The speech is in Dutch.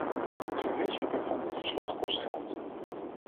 Het verwezenlijken van dit verslag kost geld.